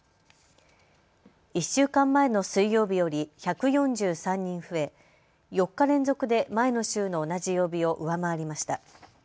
１週間前の水曜日より１４３人増え４日連続で前の週の同じ曜日を上回りました。